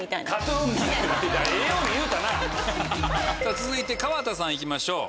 続いて川田さん行きましょう。